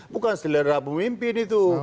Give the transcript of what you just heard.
bukan selera pemimpin itu